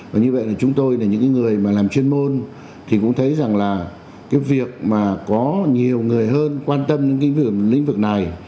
và như vậy là chúng tôi là những người mà làm chuyên môn thì cũng thấy rằng là cái việc mà có nhiều người hơn quan tâm đến cái việc lĩnh vực này